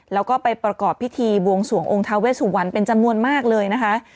แล้วก็ไปประกอบพิธีบวงสวงองค์ทาเวสุวรรณเป็นจำนวนมากเลยนะคะ